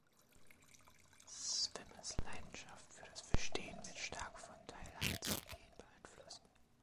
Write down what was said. Swimmes Leidenschaft für das Verstehen wird stark von Teilhards Ideen beeinflusst.